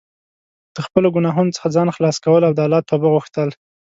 د خپلو ګناهونو څخه ځان خلاص کول او د الله توبه غوښتل.